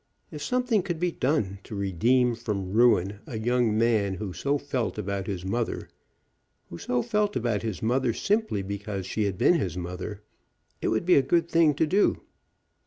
If something could be done to redeem from ruin a young man who so felt about his mother, who so felt about his mother simply because she had been his mother, it would be a good thing to do.